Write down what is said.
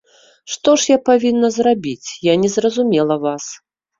Што ж я павінна зрабіць, я не зразумела вас.